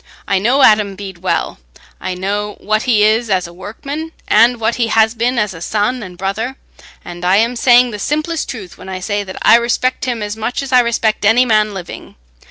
I know Adam Bede well—I know what he is as a workman, and what he has been as a son and brother—and I am saying the simplest truth when I say that I respect him as much as I respect any man living.